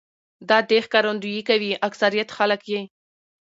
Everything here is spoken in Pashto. دا دې ښکارنديي کوي اکثريت خلک يې